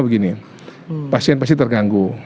begini pasien pasti terganggu